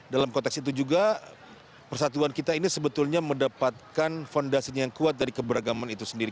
dalam konteks itu juga persatuan kita ini sebetulnya mendapatkan fondasinya yang kuat dari keberagaman itu sendiri